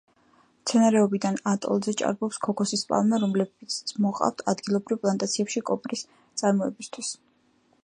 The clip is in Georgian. მცენარეულობიდან ატოლზე ჭარბობს ქოქოსის პალმა, რომლებიც მოჰყავთ ადგილობრივ პლანტაციებში კოპრის წარმოებისთვის.